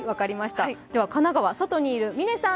では神奈川、外にいる峰さん